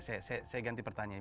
saya ganti pertanyaan